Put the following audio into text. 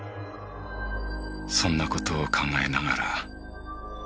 そんな事を考えながら。